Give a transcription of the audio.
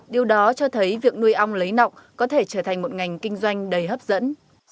điều đó cho thấy việc nuôi ong lấy nọc có thể trở thành một ngành kinh doanh đầy hấp dẫn